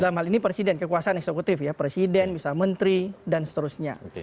dalam hal ini presiden kekuasaan eksekutif ya presiden bisa menteri dan seterusnya